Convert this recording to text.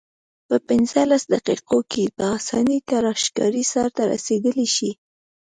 په پنځلس دقیقو کې په اسانۍ تراشکاري سرته رسیدلای شي.